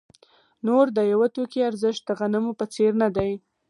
نور د یوه توکي ارزښت د غنمو په څېر نه دی